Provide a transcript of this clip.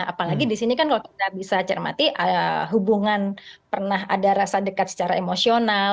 apalagi di sini kan kalau kita bisa cermati hubungan pernah ada rasa dekat secara emosional